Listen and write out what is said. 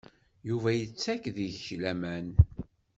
Yuba yettak deg-k laman.